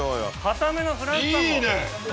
かためのフラスパンを。